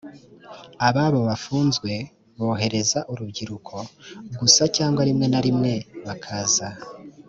ababo bafunzwe bohereza urubyiruko gusa cyangwa rimwe na rimwe bakaza